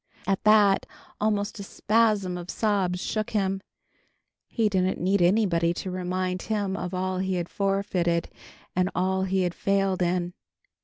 At that, almost a spasm of sobs shook him. He didn't need anybody to remind him of all he had forfeited and all he had failed in.